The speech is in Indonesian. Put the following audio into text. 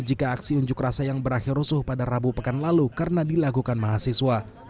jika aksi unjuk rasa yang berakhir rusuh pada rabu pekan lalu karena dilakukan mahasiswa